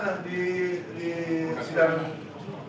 oh nanti di sidang